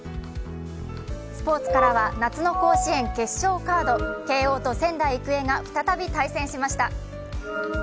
スポーツからは夏の甲子園決勝カード慶応と仙台育英が再び対戦しました。